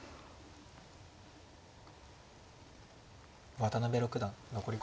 渡辺六段残り５分です。